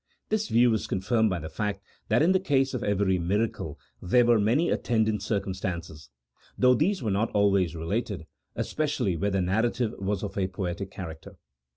This view is confirmed by the fact that in the case of every miracle there were many attendant circumstances, though these were not always related, especially where the narrative was of a poetic character.